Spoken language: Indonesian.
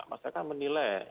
masa kan menilai